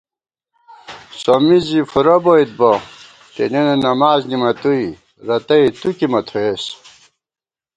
سوّمی زی فُورہ بوئیت بہ، تېنېنہ نماڅ نِمَتُوئی، رتئ تُو کی مہ تھوئېس